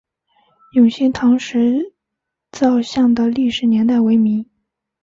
永兴堂石造像的历史年代为明。